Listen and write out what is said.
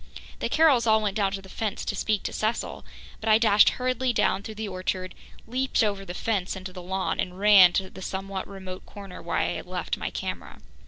The Carrolls all went down to the fence to speak to Cecil, but I dashed hurriedly down through the orchard, leaped over the fence into the lawn and ran to the somewhat remote corner where I had left my camera.